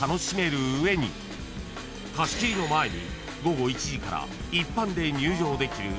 ［貸し切りの前に］